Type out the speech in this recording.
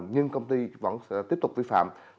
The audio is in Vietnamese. nhưng công ty vẫn tiếp tục vi phạm